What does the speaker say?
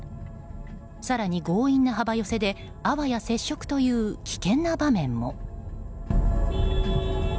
更に強引な幅寄せであわや接触という危険な場面も。